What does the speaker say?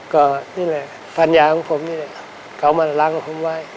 ก็นี่แหละภรรยาของผมนี่แหละเขามาล้างกับผมไว้